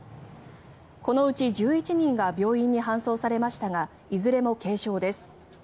このうち１１人が病院に搬送されましたがいずれも軽傷です。